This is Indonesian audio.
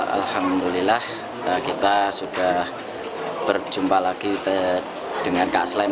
alhamdulillah kita sudah berjumpa lagi dengan kak slem